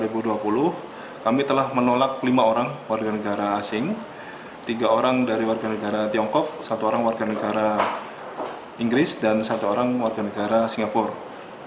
pada tahun dua ribu dua puluh kami telah menolak lima warga negara asing tiga warga negara tiongkok satu warga negara inggris dan satu warga negara singapura